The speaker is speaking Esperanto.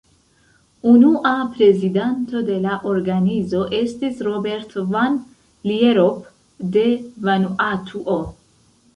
Unua prezidanto de la organizo estis Robert Van Lierop de Vanuatuo.